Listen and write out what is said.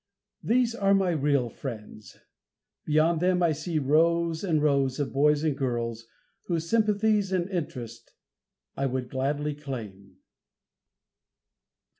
These are my real friends. Beyond them I see rows and rows of boys and girls whose sympathies and interest I would gladly claim.